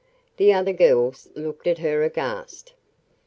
The other girls looked at her aghast.